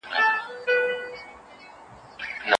تاريخ د سياست لوری ټاکي.